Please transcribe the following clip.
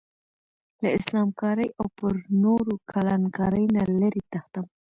له اسلام کارۍ او پر نورو کلان کارۍ نه لرې تښتم.